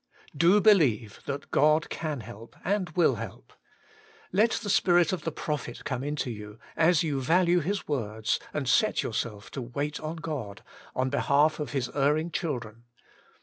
' Do believe that God can help and will help. Let the spirit of the prophet come into you, as you value his words, and set yourself to wait on God, on behalf of His erring children.